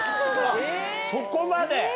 そこまで？